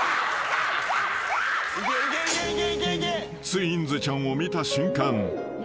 ［ツインズちゃんを見た瞬間］